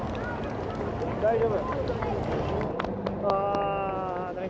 大丈夫。